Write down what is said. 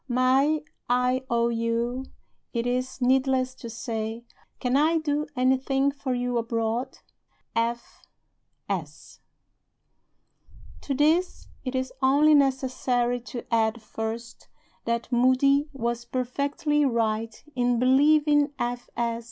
"My IOU, it is needless to say, accompanies these lines. Can I do anything for you abroad? F. S." To this it is only necessary to add (first) that Moody was perfectly right in believing F. S.